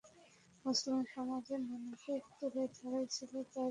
মুসলিম সমাজের নানা দিক তুলে ধরাই ছিল তাঁর পত্রিকার অন্যতম আদর্শ।